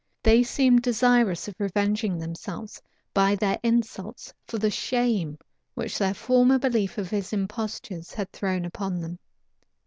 They seemed desirous of revenging themselves, by their insults, for the shame which their former belief of his impostures had thrown upon them.